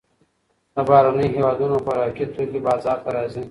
د بهرنیو هېوادونو خوراکي توکي بازار ته راځي.